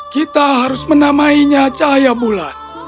kita harus menamainya cahaya bulan